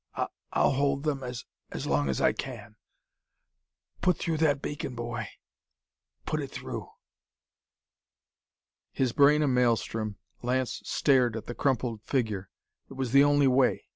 I I'll hold them as as long as I can. Put through that beacon, boy! Put it though!" His brain a maelstrom, Lance stared at the crumpled figure. It was the only way!